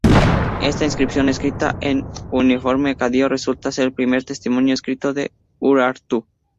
Esta inscripción, escrita en cuneiforme acadio, resulta ser el primer testimonio escrito de Urartu.